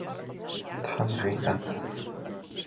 Тхьэм жиӏэ!